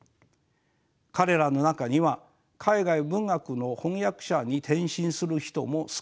彼らの中には海外文学の翻訳者に転身する人も少なくありません。